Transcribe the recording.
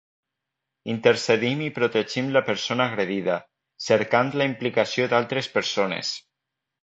Intercedim i protegim la persona agredida, cercant la implicació d’altres persones.